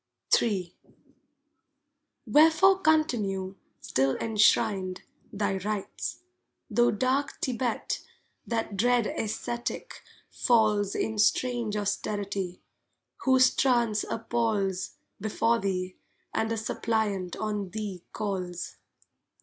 III Wherefore continue, still enshrined, thy rites, Tho dark Thibet, that dread ascetic, falls In strange austerity, whose trance appals, Before thee, and a suppliant on thee calls.